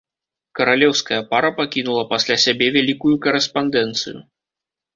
Каралеўская пара пакінула пасля сябе вялікую карэспандэнцыю.